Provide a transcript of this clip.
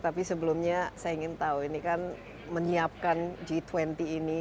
tapi sebelumnya saya ingin tahu ini kan menyiapkan g dua puluh ini